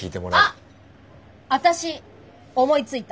あっ私思いついた。